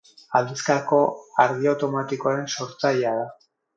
Aldizkako argi automatikoaren sortzailea da.